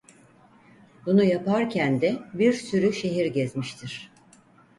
Bunu yaparken de bir sürü şehir gezmiştir.